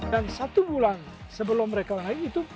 dan satu bulan sebelum mereka naik itu